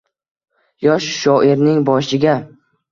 Yosh shoirning boshiga.